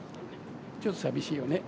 ちょっと寂しいよね。